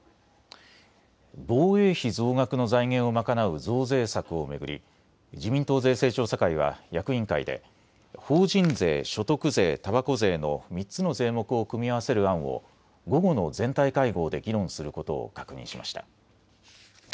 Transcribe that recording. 防衛費増額の財源を賄う増税策を巡り自民党税制調査会は役員会で法人税、所得税、たばこ税の３つの税目を組み合わせる案を午後の全体会合で議論することを確認しました。